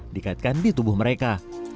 dikaitkan di tubuh mereka